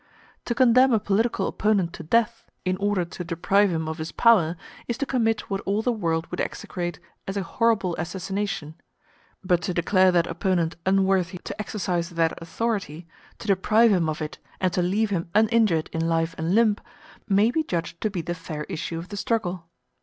To condemn a political opponent to death, in order to deprive him of his power, is to commit what all the world would execrate as a horrible assassination; but to declare that opponent unworthy to exercise that authority, to deprive him of it, and to leave him uninjured in life and limb, may be judged to be the fair issue of the struggle.